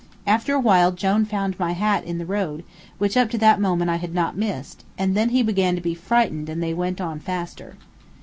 After a while Jone found my hat in the road, which up to that moment I had not missed, and then he began to be frightened and they went on faster.